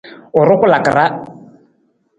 U rukulaka ra.